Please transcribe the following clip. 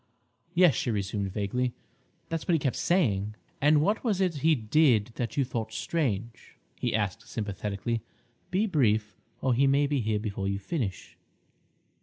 "Yes," she resumed vaguely, "that's what he kept saying." "And what was it he did that you thought strange?" he asked sympathetically. "Be brief, or he may be here before you finish."